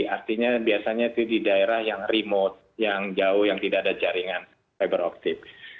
artinya biasanya itu di daerah yang remote yang jauh yang tidak ada jaringan fiber optive